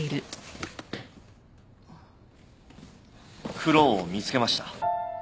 クロウを見つけました